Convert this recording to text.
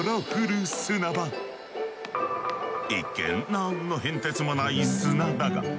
一見何の変哲もない砂だが。